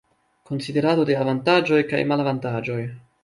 Konsiderado de avantaĝoj kaj malavantaĝoj.